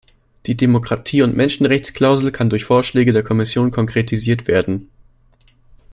Die Demokratie- und Menschenrechtsklausel kann durch Vorschläge der Kommission konkretisiert werden.